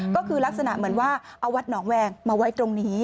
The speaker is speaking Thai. ก็คือลักษณะเหมือนว่าเอาวัดหนองแวงมาไว้ตรงนี้